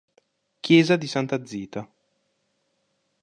Chiesa di Santa Zita